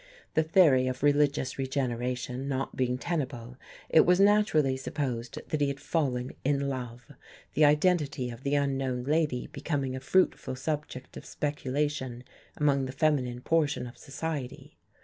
The theory of religious regeneration not being tenable, it was naturally supposed that he had fallen in love; the identity of the unknown lady becoming a fruitful subject of speculation among the feminine portion of society.